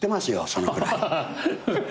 そのぐらい。